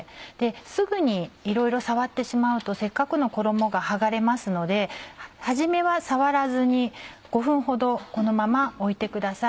すぐにいろいろ触ってしまうとせっかくの衣がはがれますのではじめは触らずに５分ほどこのままおいてください。